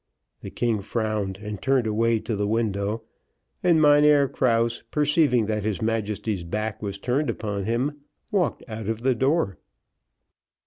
The king frowned and turned away to the window, and Mynheer Krause perceiving that his Majesty's back was turned upon him, walked out of the door.